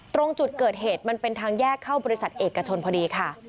ตรงจุดเกิดเหตุมันเป็นทางแยกเข้าบริษัทเอกชนพอดีค่ะ